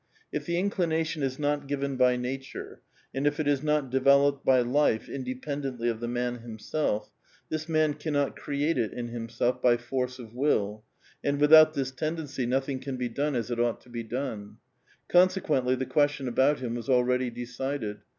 If the iDclinatiou is not given by nature, and if it is not developed by life inde[>endentl3' of the man himself, this man cannot create it in himself by force of will, and without this ten dency nothing can be done as it ought to be done. Conse qucntlj' the question about him was already decided.